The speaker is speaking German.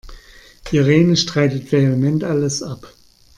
Irene streitet vehement alles ab.